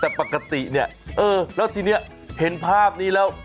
แต่ปกติแล้วทีนี้เห็นภาพนี้แล้ว